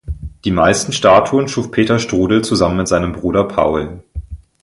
Die meisten Statuen schuf Peter Strudel zusammen mit seinem Bruder Paul.